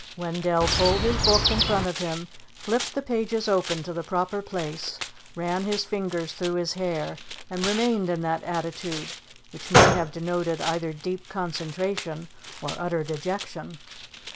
Wendell pulled his book in front of him, flipped the pages open to the proper place, ran his fingers through his hair, and remained in that attitude, which may have denoted either deep concentration or utter dejection.